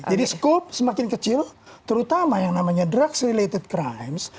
jadi skop semakin kecil terutama yang namanya drugs related crimes